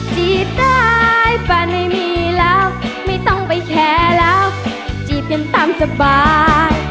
จีบได้แฟนไม่มีแล้วไม่ต้องไปแคร์แล้วจีบกันตามสบาย